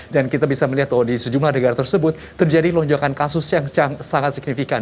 dan kita bisa melihat di sejumlah negara tersebut terjadi lonjokan kasus yang sangat signifikan